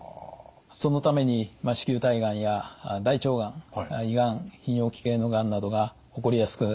そのために子宮体がんや大腸がん胃がん泌尿器系のがんなどが起こりやすくなります。